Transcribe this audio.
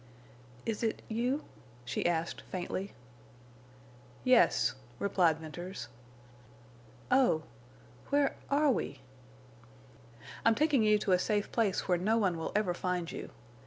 "Is—it—you?" she asked, faintly. "Yes," replied Venters. "Oh! Where—are we?" "I'm taking you to a safe place where no one will ever find you.